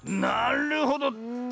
なるほど。